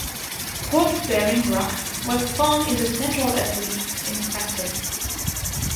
Quartz-bearing rocks were found in the central uplifts in craters.